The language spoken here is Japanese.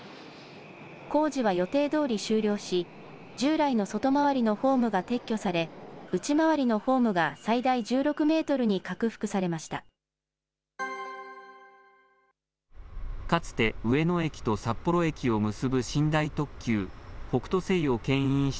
工事は予定どおり終了し、従来の外回りのホームが撤去され、内回りのホームが最大１６メートルに拡幅されました。